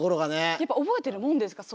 やっぱ覚えてるもんですか？